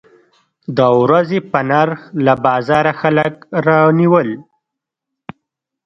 د ورځې په نرخ له بازاره خلک راونیول.